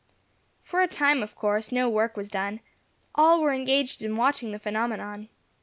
For a time, of course, no work was done; all were engaged in watching the phenomenon.